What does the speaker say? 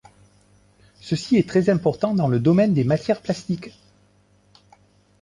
Ceci est très important dans le domaine des matières plastiques.